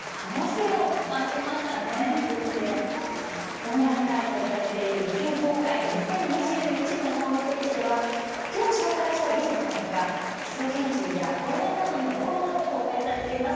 オンライン開催されている「技研公開２０２１」のホームページではきょう、紹介した技術のほか基礎研究や講演などの動画も公開されています。